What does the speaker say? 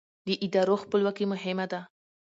د ادارو خپلواکي مهمه ده